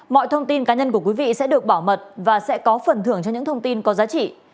mọi thông tin cá nhân của quý vị sẽ được bảo mật và sẽ có phần thưởng cho những thông tin có giá trị